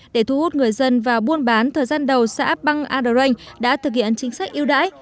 để thu hút người dân vào buôn bán thời gian đầu xã băng a trinh đã thực hiện chính sách yêu đáy